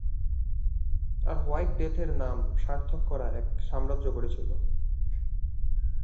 আর white ডেথের নাম স্বার্থক করা এক সাম্রাজ্য গড়েছিল।